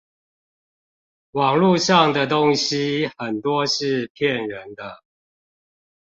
網路上的東西很多是騙人的